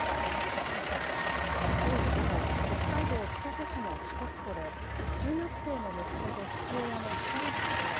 きょう午後、北海道千歳市の支笏湖で中学生の息子と父親の２人が溺れ